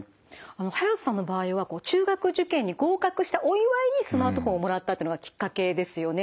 ハヤトさんの場合は中学受験に合格したお祝いにスマートフォンをもらったのがきっかけですよね。